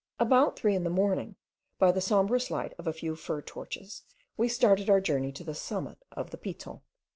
About three in the morning, by the sombrous light of a few fir torches, we started on our journey to the summit of the Piton.